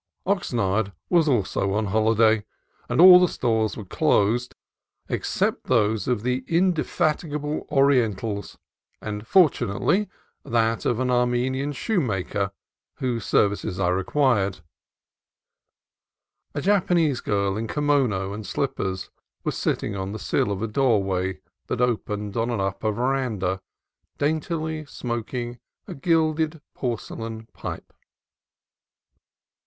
Oxnard also was on holiday, and all the stores were closed except those of the indefatigable Orientals and, for tunately, that of an Armenian shoemaker whose ser vices I required. A Japanese girl in kimono and slippers was sitting on the sill of a doorway that opened on an upper veranda, daintily smoking a gilded porcelain pipe.